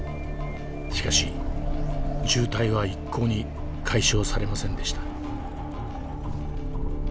しかし渋滞は一向に解消されませんでした。